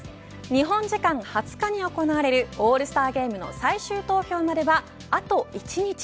日本時間２０日に行われるオールスターゲームの最終投票まではあと１日。